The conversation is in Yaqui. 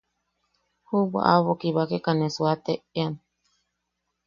Jubwa aʼabo kibakeka ne suateʼean.